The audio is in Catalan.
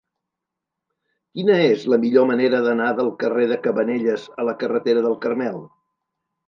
Quina és la millor manera d'anar del carrer de Cabanelles a la carretera del Carmel?